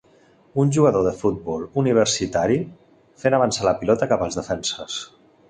Un jugador de futbol universitari fent avançar la pilota cap als defenses.